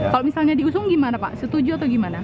kalau misalnya diusung gimana pak setuju atau gimana